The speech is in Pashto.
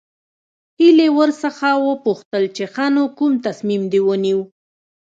هيلې ورڅخه وپوښتل چې ښه نو کوم تصميم دې ونيو.